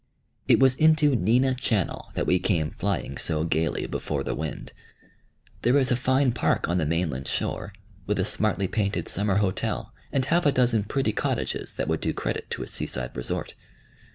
It was into Neenah channel that we came flying so gayly, before the wind. There is a fine park on the mainland shore, with a smartly painted summer hotel and half a dozen pretty cottages that would do credit to a seaside resort.